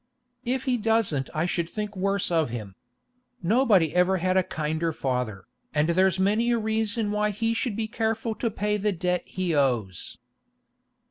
'If he doesn't I should think worse of him. Nobody ever had a kinder father, and there's many a reason why he should be careful to pay the debt he owes.